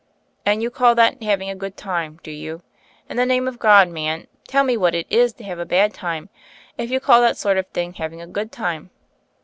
"And you call that having a good time, do you? In the name of God, man, tell me what it is to have a bsd time, if you call that sort of thing having a good time?"